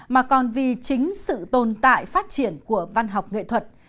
mà còn vì chính sự tồn tại phát triển của văn học nghệ thuật